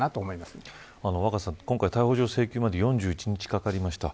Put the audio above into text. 今回、逮捕状請求まで４１日かかりました。